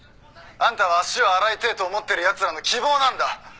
「あんたは足を洗いてえと思ってる奴らの希望なんだ」